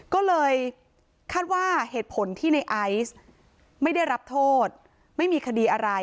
ก็เลยคาดว่าเหตุผลที่ในไอซ์ไม่ได้รับโทษไม่มีคดีอะไร